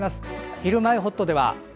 「ひるまえほっと」では「＃